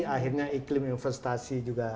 akhirnya iklim investasi juga